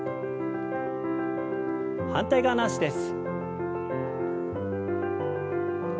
反対側の脚です。